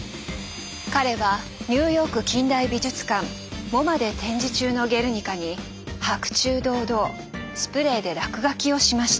彼はニューヨーク近代美術館ＭｏＭＡで展示中の「ゲルニカ」に白昼堂々スプレーで落書きをしました。